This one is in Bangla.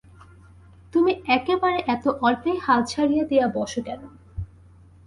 তুমি একেবারে এত অল্পেই হাল ছাড়িয়া দিয়া বসো কেন?